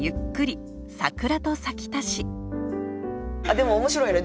でも面白いね。